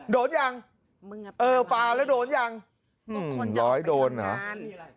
โดนยังป่าแล้วโดนยังหืมร้อยโดนเหรอ